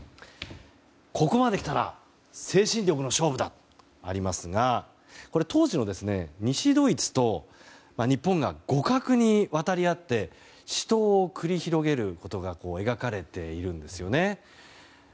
「ここまで来たら精神力の勝負だ」とありますが当時の西ドイツと日本が互角に渡り合って死闘を繰り広げることが描かれているんですね。